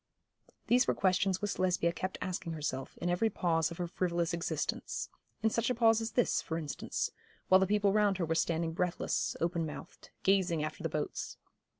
These were questions which Lesbia kept asking herself, in every pause of her frivolous existence; in such a pause as this, for instance, while the people round her were standing breathless, open mouthed, gazing after the boats.